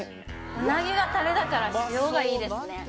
うなぎがタレだから塩がいいですね